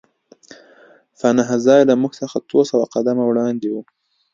پناه ځای له موږ څخه څو سوه قدمه وړاندې و